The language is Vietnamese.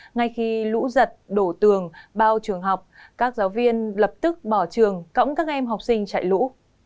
ngay khi lũ giật đổ tường bao trường học các giáo viên lập tức bỏ trường cõng các em học sinh chạy lũ